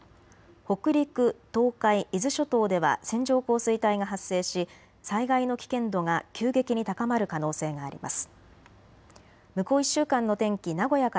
北陸、東海、伊豆諸島では線状降水帯が発生し災害の危険度が急激に高まる可能性があります。